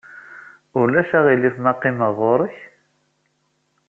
Ulac aɣilif ma qqimeɣ ɣer-k?